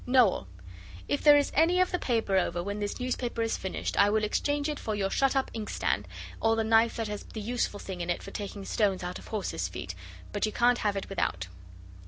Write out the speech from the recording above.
Noel. If there is any of the paper over when this newspaper is finished, I will exchange it for your shut up inkstand, or the knife that has the useful thing in it for taking stones out of horses' feet, but you can't have it without.